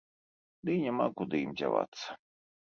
Дый няма куды ім дзявацца.